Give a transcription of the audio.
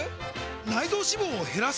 内臓脂肪を減らす！？